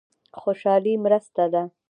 خوشالي مرسته ده.